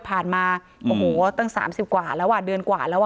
ผ่านมาตั้ง๓๐กว่าแล้วเดือนกว่าแล้ว